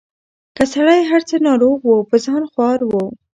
که سړی هر څه ناروغ وو په ځان خوار وو